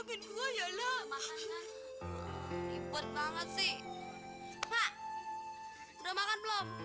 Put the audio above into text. udah makan belum